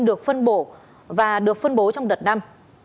được phân bổ và được phân bố trong đợt năm